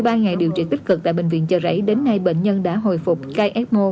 sau hai mươi ba ngày điều trị tích cực tại bệnh viện chợ rẫy đến nay bệnh nhân đã hồi phục cai ecmo